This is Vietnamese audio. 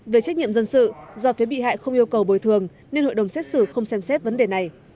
về trách nhiệm dân sự do phía bị hại không yêu cầu bồi thường nên hội đồng xét xử không xem xét vấn đề này